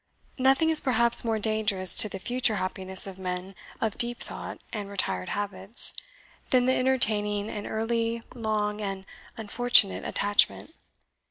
Nothing is perhaps more dangerous to the future happiness of men of deep thought and retired habits than the entertaining an early, long, and unfortunate attachment.